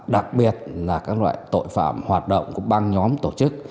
đặc biệt là các loại tội phạm hoạt động của băng nhóm tổ chức